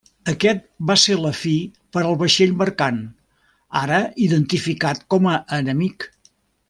Aquest va ser la fi per al vaixell mercant, ara identificat com a enemic.